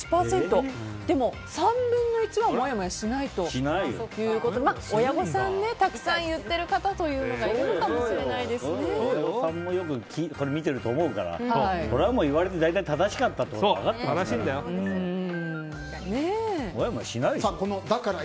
でも、３分の１はもやもやしないということで親御さんたくさん言っている方というのが親御さんもこれよく見てると思うからそれは言われて大体正しかったって分かってますから。